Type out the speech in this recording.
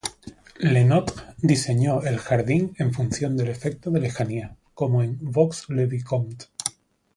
Le Nôtre diseñó el jardín en función del efecto de lejanía, como en Vaux-le-Vicomte.